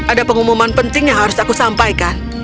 ada pengumuman penting yang harus aku sampaikan